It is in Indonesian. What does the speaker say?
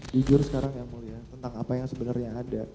jujur sekarang ya mulia tentang apa yang sebenarnya ada